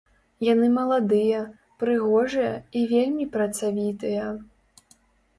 Яны маладыя, прыгожыя і вельмі працавітыя.